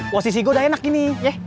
posisi gue udah enak gini